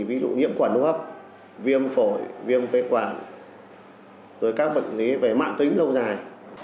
ví dụ nhiễm quản lô hấp viêm phổi viêm vệ quản rồi các bệnh lý về mạng tính lâu dài